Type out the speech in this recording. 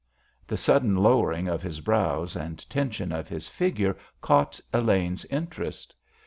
The sudden lowering of his brows and tension of his figure caught Elaine's interest.